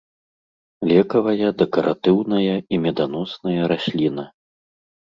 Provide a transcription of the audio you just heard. Лекавая, дэкаратыўная і меданосная расліна.